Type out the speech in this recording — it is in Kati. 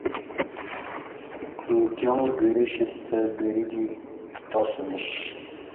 امکیاں گرش ستہ گری دی پتاسمیش